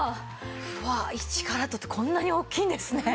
１カラットってこんなに大きいんですね。